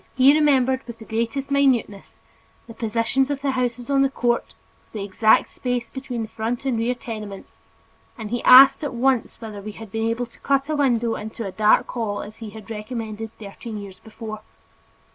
He remembered with the greatest minuteness the positions of the houses on the court, with the exact space between the front and rear tenements, and he asked at once whether we had been able to cut a window into a dark hall as he had recommended thirteen years before.